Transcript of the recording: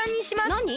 なに？